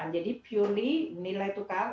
jadi purely nilai tukar